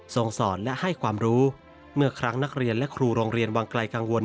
ส่งสอนและให้ความรู้เมื่อครั้งนักเรียนและครูโรงเรียนวังไกลกังวล